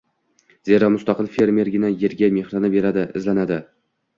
zero, mustaqil fermergina yerga mehrini beradi, izlanadi